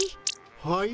はい？